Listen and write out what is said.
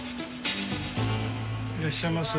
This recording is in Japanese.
いらっしゃいませ。